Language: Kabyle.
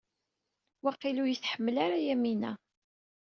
Waqil ur yi-tḥemmel ara Yamina.